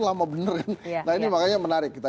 lama bener kan nah ini makanya menarik